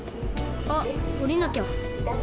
あっおりなきゃ。